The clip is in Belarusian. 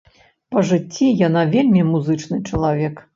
Па жыцці яна вельмі музычны чалавек.